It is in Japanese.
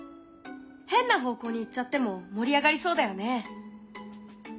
変な方向に行っちゃっても盛り上がりそうだよね。